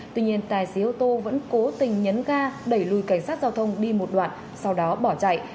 tuy nhiên tài xế ô tô vẫn cố tình nhấn ga đẩy lùi cảnh sát giao thông đi một đoạn sau đó bỏ chạy